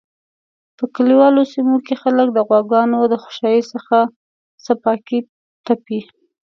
په کلیوالو سیمو کی خلک د غواګانو د خوشایی څخه څپیاکی تپی